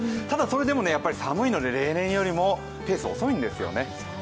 ただ、それでもやっぱり寒いので例年よりもペース遅いんですよね。